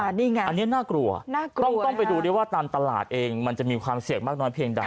อันนี้น่ากลัวต้องไปดูว่าตามตลาดเองมันจะมีความเสี่ยงมากน้อยเพียงใด